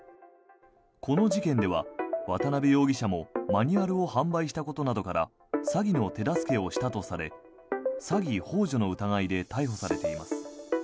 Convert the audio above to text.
この事件では渡邊容疑者もマニュアルを販売したことなどから詐欺の手助けをしたとされ詐欺ほう助の疑いで逮捕されています。